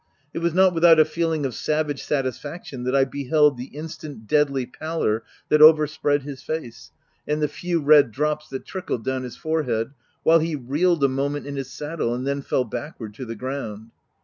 It was not without a feeling of savage satisfaction that I beheld the instant, deadly pallor that overspread his face, and the few red drops that trickled down his forehead, while he reeled a moment in his saddle, and then fell backward to the ground.